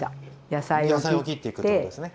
野菜を切っていくってことですね。